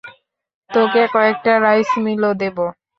তোকে কয়েকটা রাইস মিলও দেব।